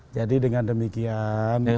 jadi dengan demikian